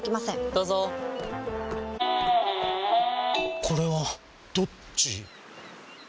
どうぞこれはどっち？